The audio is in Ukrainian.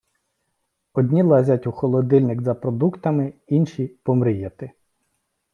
Одні лазять у холодильник за продуктами, інші — помріяти.